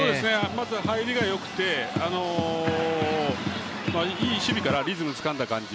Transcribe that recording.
まず入りがよくていい守備からリズムつかんだ感じ。